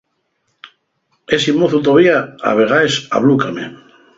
Esi mozu tovía, a vegaes, ablúcame.